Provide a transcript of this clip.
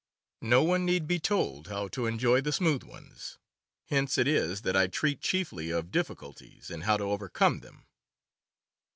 No one need be told how to enjoy the smooth ones. Hence it is that I treat chiefly of difficulties, and how to overcome them.